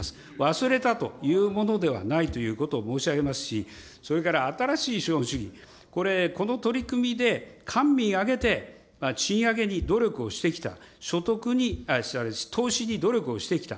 忘れたというものではないということを申し上げますし、それから新しい資本主義、これ、この取り組みで官民挙げて、賃上げに努力をしてきた、所得に、失礼、投資に努力をしてきた。